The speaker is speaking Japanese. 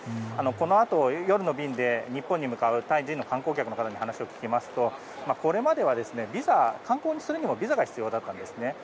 このあと夜の便で日本に向かうタイ人の観光客の方に話を聞きますと、これまでは観光するにもビザが必要だったんですね。